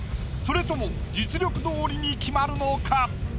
それとも実力どおりに決まるのか？